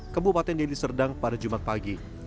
kebupaten deli serdang pada jumat pagi